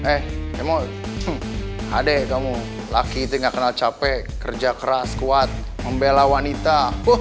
eh emang adik kamu laki itu gak kenal capek kerja keras kuat membela wanita